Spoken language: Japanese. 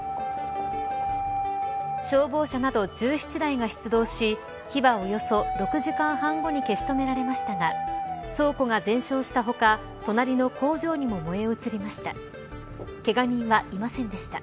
消防車など１７台が出動し火はおよそ６時間半後に消し止められましたが倉庫が全焼した他隣の工場にも燃え移りました。